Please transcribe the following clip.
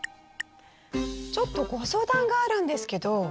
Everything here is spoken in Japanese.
ちょっとご相談があるんですけど。